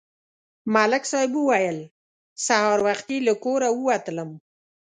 ملک صاحب وویل: سهار وختي له کوره ووتلم